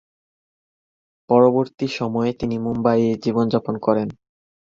পরবর্তী সময়ে তিনি মুম্বইয়ে জীবনযাপন করেন।